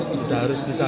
belum masih mengenal